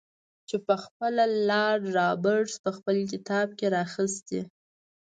چې پخپله لارډ رابرټس په خپل کتاب کې را اخیستی.